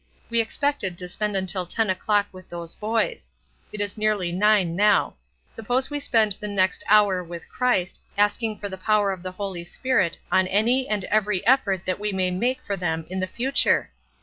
We expected to spend until ten o'clock with those boys. It is nearly nine now; suppose we spend the next hour with Christ, asking for the power of the Holy Spirit on any and every effort that we may make for them in the future?